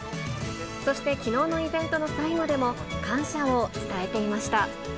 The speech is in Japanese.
そしてきのうのイベントの最後でも感謝を伝えていました。